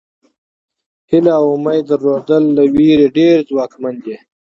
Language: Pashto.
هیله او امید درلودل له وېرې ډېر ځواکمن دي.